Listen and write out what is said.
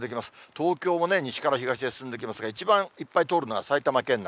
東京も西から東へ進んできますが、一番いっぱい通るのが埼玉県内。